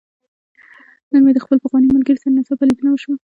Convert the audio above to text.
نن مې د خپل پخواني ملګري سره ناڅاپه ليدنه وشوه.